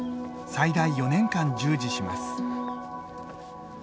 最大４年間従事します。